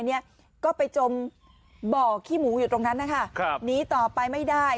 เนี่ยก็ไปจมบ่อขี้หมูอยู่ตรงนั้นนะคะครับหนีต่อไปไม่ได้